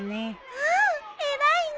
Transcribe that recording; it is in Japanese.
うん偉いね。